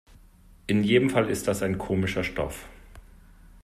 In jedem Fall ist das ein komischer Stoff.